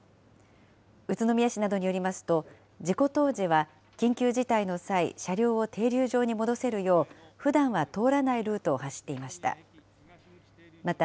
宇都宮市などによりますと、事故当時は、緊急事態の際、車両を停留場に戻せるよう、ふだんは通らないルートを走っていました。